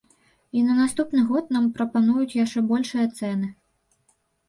І на наступны год нам прапануюць яшчэ большыя цэны.